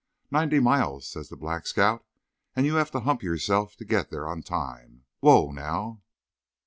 "Ninety miles," says the Black Scout. "And you have to hump yourself to get there on time. Whoa, now!"